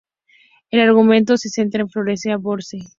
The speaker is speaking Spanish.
El argumento se centra en Florence Ambrose.